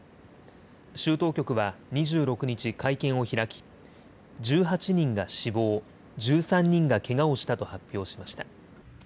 州当局は２６日会見を開き１８人が死亡、１３人がけがをしたと発表しました。